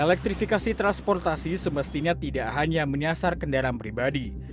elektrifikasi transportasi semestinya tidak hanya menyasar kendaraan pribadi